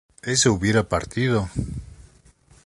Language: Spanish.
¿ella hubiera partido?